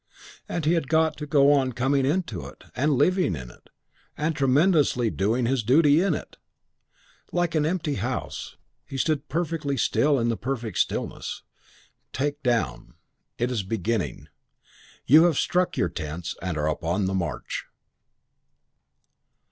And he had got to go on coming into it, and living in it, and tremendously doing his duty in it. Like an empty house. He stood perfectly still in the perfect stillness. Take down: it is beginning. You have struck your tents and are upon the march.